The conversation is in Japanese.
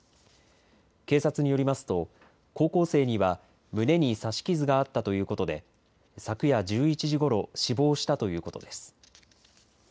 警察によりますと高校生には胸に刺し傷があったということで昨夜１１時ごろ、死亡したということです。